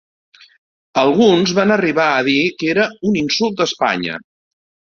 Alguns van arribar a dir que era un insult a Espanya.